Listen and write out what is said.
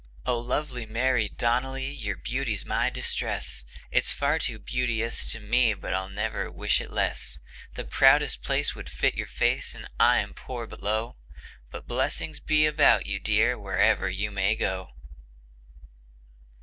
O lovely Mary Donnelly, your beauty's my distress: It's far too beauteous to be mine, but I'll never wish it less. The proudest place would fit your face, and I am poor and low; But blessings be about you, dear, wherever you may go!